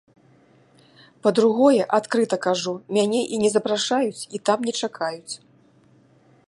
Па-другое, адкрыта кажу, мяне і не запрашаюць і там не чакаюць.